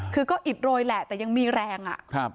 คือก็อิดโรยแหละแต่ยังมีแรงอ่ะ